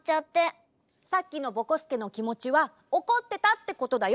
さっきのぼこすけのきもちはおこってたってことだよ！